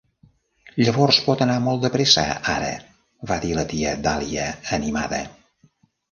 "Llavors pot anar molt de pressa ara," va dir la tia Dahlia animada.